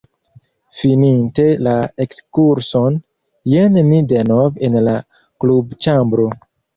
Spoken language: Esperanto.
Fininte la ekskurson, jen ni denove en la klubĉambro.